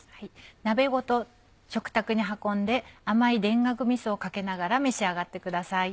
鍋ごと食卓に運んで甘い田楽みそをかけながら召し上がってください。